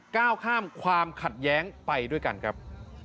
ก้าวข้ามความขัดแย้งไปด้วยกันครับ